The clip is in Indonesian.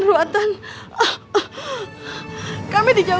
sehingga tidak akan bisa berubah